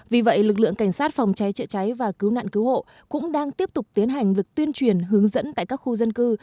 vì vậy lực lượng cảnh sát phòng cháy chữa cháy và cứu nạn cứu hộ cũng đang tiếp tục tiến hành việc tuyên truyền hướng dẫn tại các khu dân cư